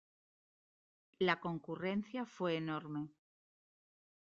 La concurrencia fue enorme.